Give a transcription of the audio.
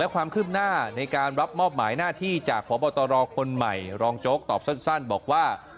ความคืบหน้าในการรับมอบหมายหน้าที่จากพบตรคนใหม่รองโจ๊กตอบสั้นบอกว่า